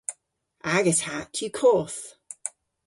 Agas hatt yw koth.